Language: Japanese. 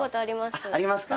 ありますか。